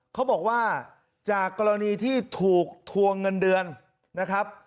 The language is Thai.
เขาบอกว่าจากกรณีที่ถูกทวงเงินเดือนนะครับ